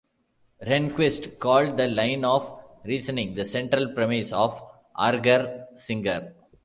Rehnquist called that line of reasoning the central premise of Argersinger.